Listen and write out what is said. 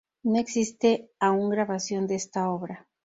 No existe aún grabación de esta obra